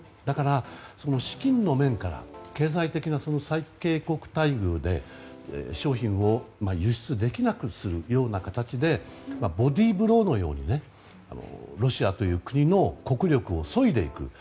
だから、資金の面から経済的な最恵国待遇で商品を輸出できなくするような形でボディーブローのようにロシアという国の国力をそいでいく。